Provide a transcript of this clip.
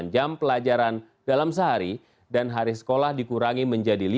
jangan lupa beri dukungan di kolom komentar